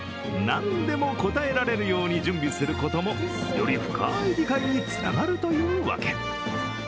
何でも答えられるように準備することもより深い理解につながるというわけ。